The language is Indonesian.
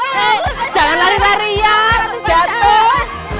jangan lari larian jatuh